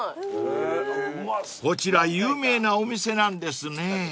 ［こちら有名なお店なんですね］